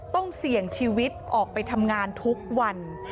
ต้องเสี่ยงชีวิตออกไปทำงานทุกวัน